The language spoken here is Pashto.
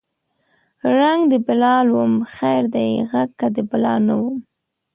رنګ د بلال وم خیر دی غږ که د بلال نه وم